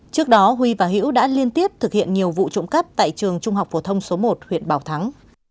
trước đó huy và hiễu đã liên tiếp thực hiện nhiều vụ trộm cắp tại trường trung học phổ thông số một huyện bảo thắng